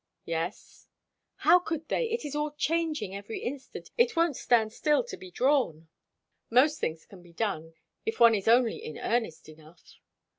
"Yes." "How could they? It is all changing, every instant; it won't stand still to be drawn." "Most things can be done, if one is only in earnest enough."